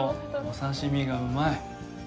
お刺身がうまい。